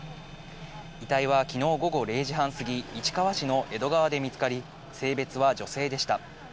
遺体は昨日午後０時半すぎ、市川市の江戸川で見つかり、性別は女性でした。